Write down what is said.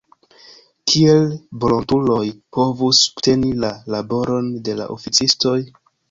Kiel volontuloj povus subteni la laboron de la oficistoj?